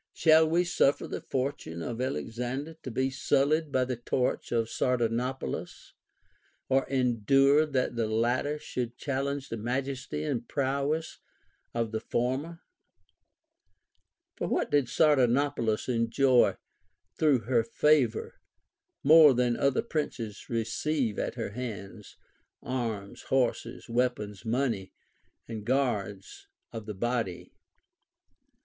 Shall we suffer the fortune of Alexander to be sullied by the touch of Sardanapalus, or endure that the latter should challenge the majesty and prowess of the former] For what did Sardanapalus enjoy through her favor, more than other princes receive at her hands — arms, horses, weapons, money, and guards of the body?